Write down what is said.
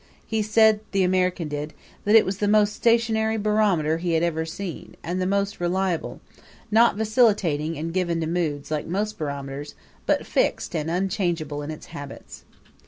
He said the American did that it was the most stationary barometer he had ever seen, and the most reliable not vacillating and given to moods, like most barometers, but fixed and unchangeable in its habits.